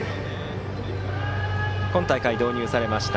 今大会導入されました